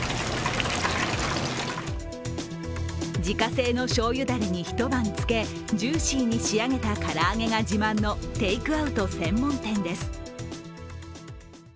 自家製のしょうゆダレに一晩つけ、ジューシーに仕上げたから揚げが自慢のテイクアウト専門店です。